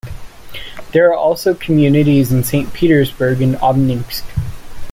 There are also communities in Saint Petersburg and Obninsk.